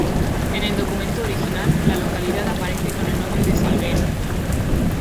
En el documento original, la localidad aparece con el nombre de Salguero.